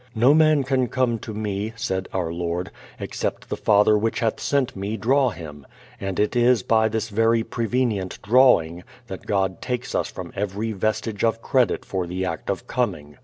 "No man can come to me," said our Lord, "except the Father which hath sent me draw him," and it is by this very prevenient drawing that God takes from us every vestige of credit for the act of coming.